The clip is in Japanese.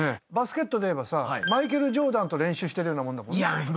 バスケットでいえばさマイケル・ジョーダンと練習してるようなもんだもん。